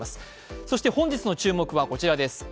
そして本日の注目はこちらです。